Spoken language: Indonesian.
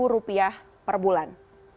rp dua ratus per bulan